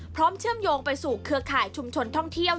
เชื่อมโยงไปสู่เครือข่ายชุมชนท่องเที่ยว